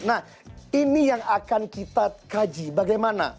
nah ini yang akan kita kaji bagaimana